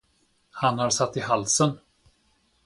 Han har satt i halsen.